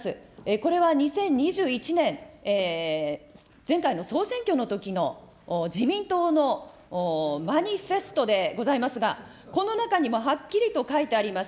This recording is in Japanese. これは２０２１年、前回の総選挙のときの自民党のマニフェストでございますが、この中にもはっきりと書いてあります。